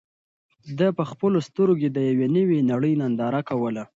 ده په خپلو سترګو کې د یوې نوې نړۍ ننداره کوله.